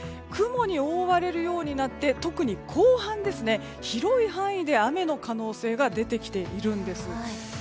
雲に覆われるようになって特に後半広い範囲で雨の可能性が出てきているんです。